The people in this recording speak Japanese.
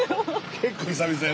結構久々よ